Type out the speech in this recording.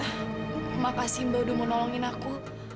terima kasih mbak udah mau nolongin aku